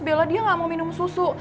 bella dia gak mau minum susu